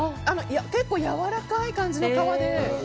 結構やわらかい感じの皮で。